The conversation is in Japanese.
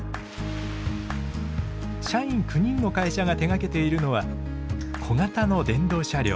社員９人の会社が手がけているのは小型の電動車両。